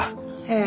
ええ。